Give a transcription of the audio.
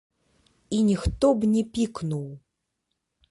І ніхто б не пікнуў.